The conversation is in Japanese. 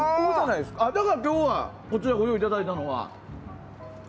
だから今日はこちら、ご用意いただいたのは。